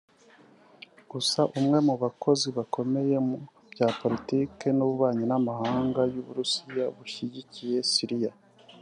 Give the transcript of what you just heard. Gusa umwe mu bakozi bakomeye mu bya politiki y’ububanyi n’amahanga y’u Burusiya bushyigiye Siriya